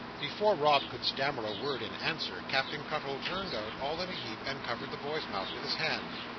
Before Rob could stammer a word in answer, Captain Cuttle turned out, all in a heap, and covered the boy's mouth with his hand.